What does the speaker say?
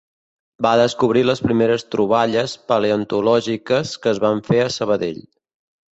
Va descobrir les primeres troballes paleontològiques que es van fer a Sabadell.